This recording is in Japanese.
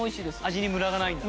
味にムラがないんだ。